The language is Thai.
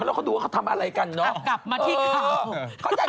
แล้วเขาดูว่าเขาทำอะไรกันเนอะ